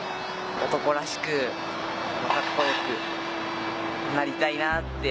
男らしくカッコ良くなりたいなって。